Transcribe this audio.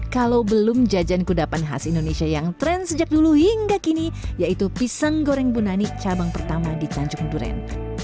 kalau belum jajan kudapan khas indonesia yang tren sejak dulu hingga kini yaitu pisang goreng bunani cabang pertama di tanjung duren